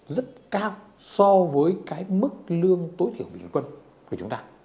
rất cao so với cái mức lương tối thiểu bình quân của chúng ta